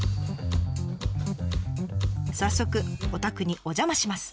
早速お宅にお邪魔します。